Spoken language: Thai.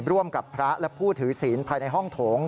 ร่วมกับพระและผู้ถือศีลภายในห้องโถง